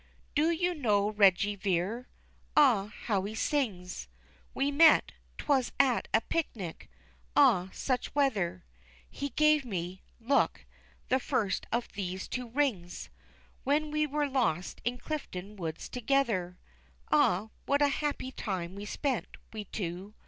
"Do you know Reggy Vere? Ah, how he sings! We met 'twas at a picnic. Ah, such weather! He gave me, look, the first of these two rings, When we were lost in Cliefden Woods together. Ah, what a happy time we spent, we two!